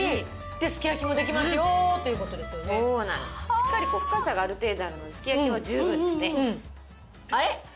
しっかり深さがある程度あるのですき焼きも十分ですね。